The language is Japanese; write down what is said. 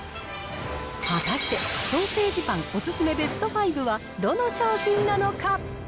果たして、ソーセージパンお勧めベスト５は、どの商品なのか。